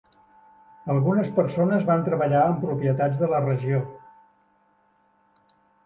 Algunes persones van treballar en propietats de la regió.